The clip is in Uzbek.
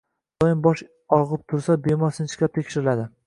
Doim bosh og‘rib tursa, bemor sinchiklab tekshiriladi.